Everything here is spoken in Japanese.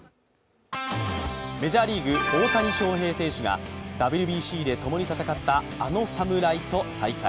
メジャーリーグ、大谷翔平選手がＷＢＣで共に戦ったあの侍と再会。